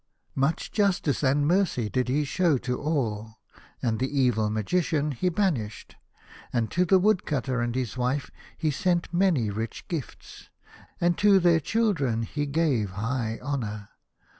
Much justice and mercy did he show to all, and the evil Magician he banished, and to the Woodcutter and his wife he sent many rich gifts, and to theirchildren he gave high honour.